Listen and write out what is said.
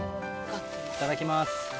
いただきます。